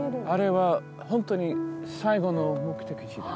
あれは本当に最後の目的地。